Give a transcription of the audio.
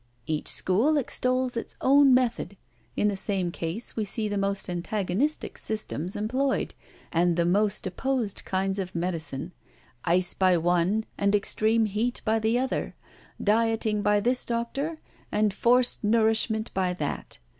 Each school extols its own method. In the same case, we see the most antagonistic systems employed, and the most opposed kinds of medicine ice by one and extreme heat by the other, dieting by this doctor and forced nourishment by that.